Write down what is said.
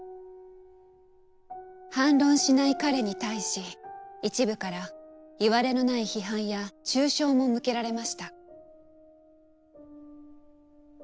反論しない彼に対し一部からいわれのない批判や中傷も向けられました。